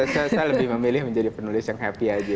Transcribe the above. saya lebih memilih menjadi penulis yang happy aja